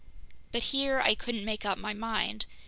. but here I couldn't make up my mind.